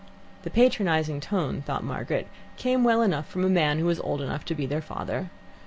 The patronizing tone thought Margaret, came well enough from a man who was old enough to be their father.